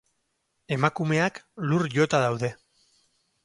Emakumeak lur jota daude.